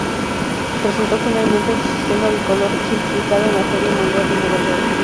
Presentó finalmente su sistema bicolor simplificado en la Feria Mundial de Nueva York.